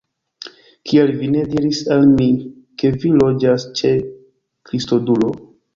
Kial vi ne diris al mi, ke vi loĝas ĉe Kristodulo?